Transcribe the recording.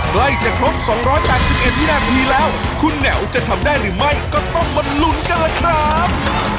ใกล้จะครบ๒๘๑วินาทีแล้วคุณแหววจะทำได้หรือไม่ก็ต้องมาลุ้นกันล่ะครับ